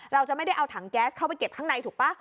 เราจะไม่ได้เอาถังแก๊สเข้าไปเก็บข้างในถูกป่ะ